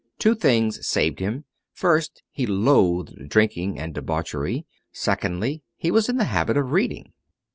Two things saved him: first, he loathed drinking and debauchery; secondly, he was in the habit of reading.